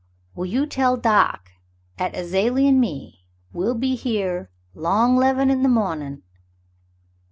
"Well, you tell doc 'at Azalie an' me, we'll be here 'long 'leven in the mawnin'."